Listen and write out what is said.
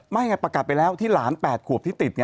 ไงประกาศไปแล้วที่หลาน๘ขวบที่ติด